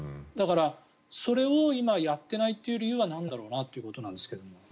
だから、それを今やっていないっていう理由は何なんだろうなということなんですが。